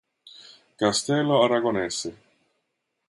Castello aragonese